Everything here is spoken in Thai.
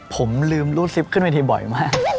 ผมลืมรูดซิปขึ้นเวทีบ่อยมาก